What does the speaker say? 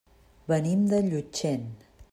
Venim de Llutxent.